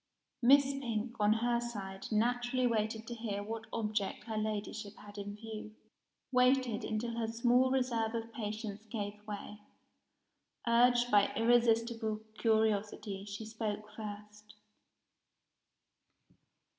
Miss Pink, on her side, naturally waited to hear what object her Ladyship had in view waited, until her small reserve of patience gave way. Urged by irresistible curiosity, she spoke first.